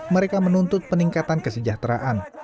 mereka menuntut peningkatan kesejahteraan